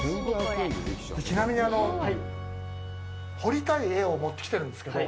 ちなみに、彫りたい絵を持ってきてるんですけど。